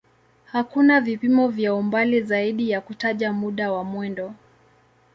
Hakuna vipimo vya umbali zaidi ya kutaja muda wa mwendo.